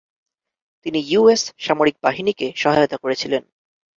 তিনি ইউএস সামরিক বাহিনীকে সহায়তা করেছিলেন।